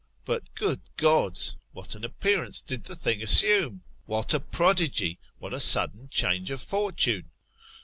But good Gods! what an appearance did the thing assume ! what a prodigy ! what a sudden change of my fortune